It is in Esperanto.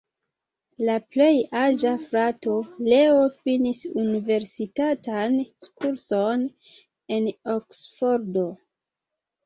La plej aĝa frato, Leo, finis universitatan kurson en Oksfordo.